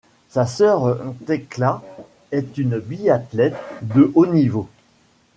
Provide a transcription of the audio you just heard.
Sa sœur Thekla est une biathlète de haut niveau.